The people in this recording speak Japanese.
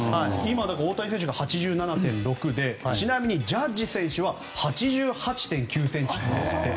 大谷選手が８７．６でちなみにジャッジ選手は８８．９ｃｍなんですって。